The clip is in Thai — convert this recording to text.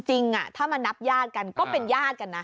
จริงถ้ามานับญาติกันก็เป็นญาติกันนะ